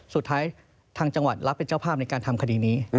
ทางจังหวัดรับเป็นเจ้าภาพในการทำคดีนี้